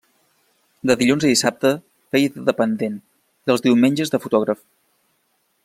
De dilluns a dissabte feia de dependent i els diumenges de fotògraf.